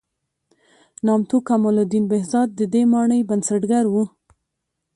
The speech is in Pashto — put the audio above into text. نامتو کمال الدین بهزاد د دې مانۍ بنسټګر و.